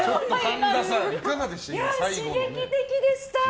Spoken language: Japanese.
刺激的でした！